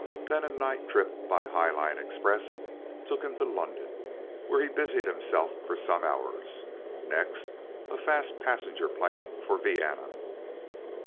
Then a night trip by Highline Express took him to London where he busied himself for some hours. Next, a fast passenger plane for Vienna.